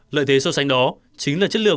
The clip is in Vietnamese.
lợi thế so sánh đó chính là chất lượng